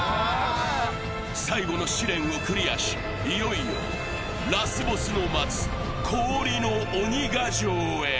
最後の試練をクリアし、いよいよラスボスの待つ氷の鬼ヶ城へ。